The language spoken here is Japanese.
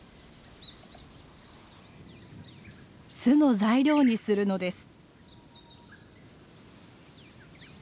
巣の材料にするのです。